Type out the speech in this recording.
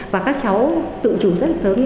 và các cháu tự chủ rất sớm